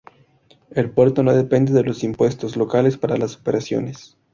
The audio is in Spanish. El puerto no depende de los impuestos locales para las operaciones.